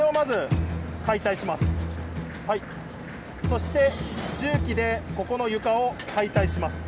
そして重機でここの床を解体します。